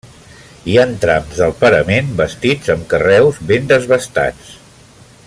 Hi han trams del parament bastits amb carreus ben desbastats.